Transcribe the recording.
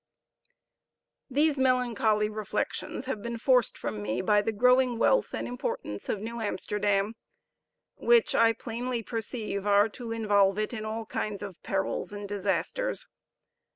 These melancholy reflections have been forced from me by the growing wealth and importance of New Amsterdam, which, I plainly perceive, are to involve it in all kinds of perils and disasters.